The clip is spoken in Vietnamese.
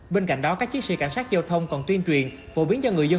bên cạnh đó các chiếc xe cảnh sát giao thông còn tuyên truyền phổ biến cho người dân